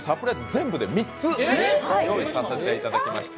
全部で３つ用意させていただきました。